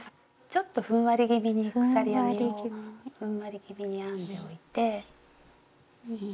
ちょっとふんわり気味に鎖編みをふんわり気味に編んでおいて。